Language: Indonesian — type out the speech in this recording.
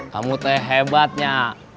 kamu teh hebatnya